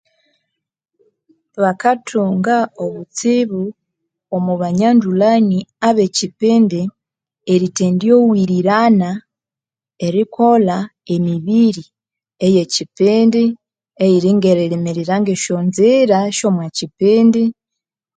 Bakathunga obutsibu, omo banyandulhani abe ekyipindi, erithendiowirirana erikolha emibiri eye ekyipindi, eyiri ngerilimirira ngesyo nzira esyomo kyipindi,